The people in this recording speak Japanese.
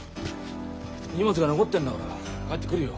荷物が残ってんだから帰ってくるよ。